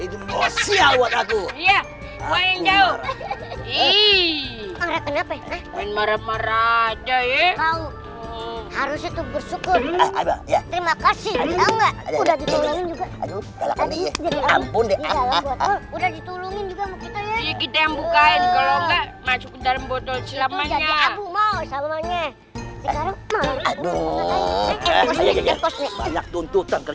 iya iya iya marah marah aja ya harus itu bersyukur terima kasih